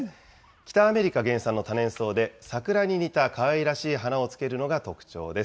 北アメリカ原産の多年草で、桜に似たかわいらしい花をつけるのが特徴です。